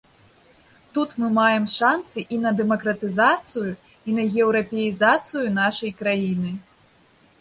Тут мы маем шанцы і на дэмакратызацыю, і на еўрапеізацыю нашай краіны.